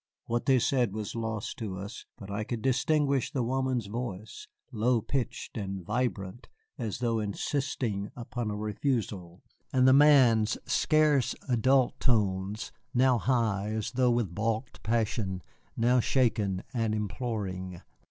What they said was lost to us, but I could distinguish the woman's voice, low pitched and vibrant as though insisting upon a refusal, and the man's scarce adult tones, now high as though with balked passion, now shaken and imploring.